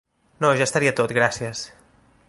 No ja estaria tot gracies.